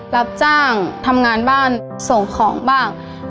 รับจ้างทำงานบ้านส่งของบ้าง